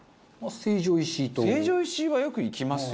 成城石井はよく行きますよね。